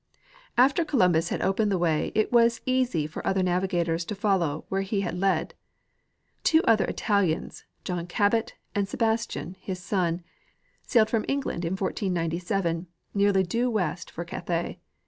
After Columbus had opened the way it was eas}^ for other navigators to follow where he had led. Two other Italians, John Cabot and Sebastian, his son, sailed from England in 1497 nearly clue westward for Cathay.